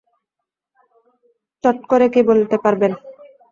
চট করে কি বলতে পারবেন?